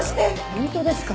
本当ですか？